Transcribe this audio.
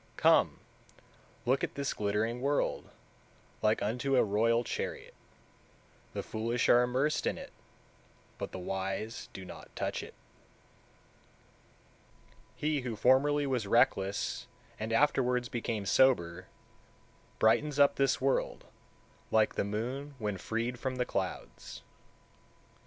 171. Come, look at this glittering world, like unto a royal chariot; the foolish are immersed in it, but the wise do not touch it. 172. He who formerly was reckless and afterwards became sober, brightens up this world, like the moon when freed from clouds.